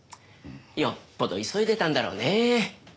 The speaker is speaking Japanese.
よっぽど急いでたんだろうね。